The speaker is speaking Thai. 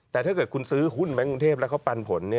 แต่ถ้าเกิดคุณซื้อหุ้นแบงค์กรุงเทพแล้วเขาปันผล